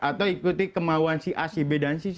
atau ikuti kemauan si a si b dan c